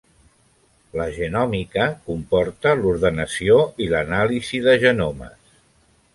La genòmica comporta l'ordenació i l'anàlisi de genomes.